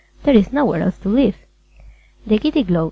There is nowhere else to live. The Giddy Globe